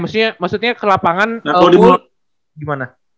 maksudnya ke lapangan gimana